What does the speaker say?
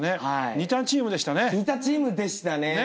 似たチームでしたね。